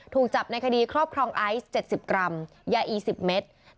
ถูกจับในคดีครอบครองไอซ์๗๐กรัมยาอี๑๐เมตร